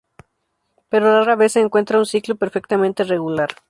Pero rara vez se encuentra un ciclo perfectamente regular.